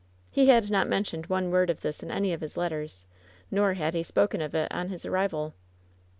He had not men tioned one word of this in any of his letters, nor had he spoken of it on his arrival.